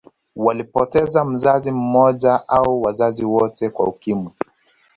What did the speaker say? Walipoteza mzazi mmoja au wazazi wote kwa Ukimwi